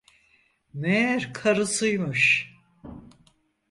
Meğer karısıymış.